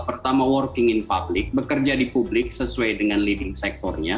pertama working in public bekerja di publik sesuai dengan leading sectornya